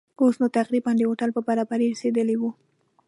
اوس نو تقریباً د هوټل پر برابري رسېدلي وو.